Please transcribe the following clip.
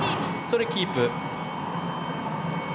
それキープ。